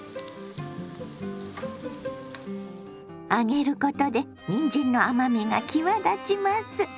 揚げることでにんじんの甘みが際立ちます。